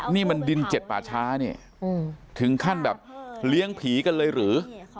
นี่มันดินเจ็ดป่าช้าเนี่ยถึงขั้นแบบเลี้ยงผีกันเลยหรือ